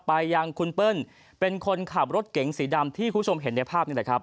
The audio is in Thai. ไปยังคุณเปิ้ลเป็นคนขับรถเก๋งสีดำที่คุณผู้ชมเห็นในภาพนี่แหละครับ